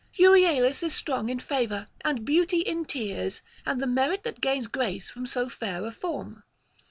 Euryalus is strong in favour, and beauty in tears, and the merit that gains grace from so fair a form.